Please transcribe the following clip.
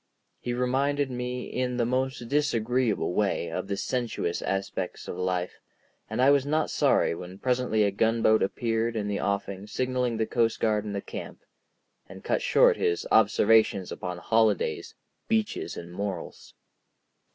He reminded me in the most disagreeable way of the sensuous aspects of life, and I was not sorry when presently a gunboat appeared in the offing signalling the coastguard and the camp, and cut short his observations upon holidays, beaches, and morals.